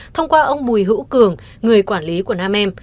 thông qua ông bùi hữu cường người quản lý của nam em